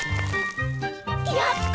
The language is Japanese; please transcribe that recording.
やった！